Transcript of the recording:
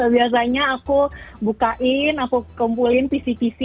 biasanya aku bukain aku kumpulin pc pc